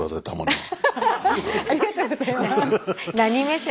ありがとうございます。